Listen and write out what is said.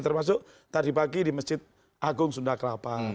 termasuk tadi pagi di masjid agung sunda kelapa